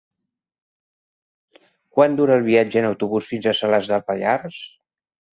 Quant dura el viatge en autobús fins a Salàs de Pallars?